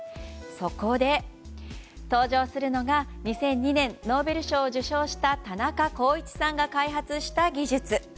そこで登場するのが、２００２年ノーベル賞を受賞した田中耕一さんが開発した技術。